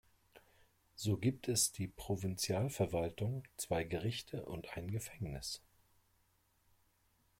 So gibt es die Provinzialverwaltung, zwei Gerichte und ein Gefängnis.